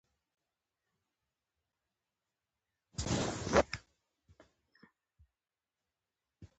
دویمه پوښتنه: اوسنی ازبکستان څو ولایتونه لري؟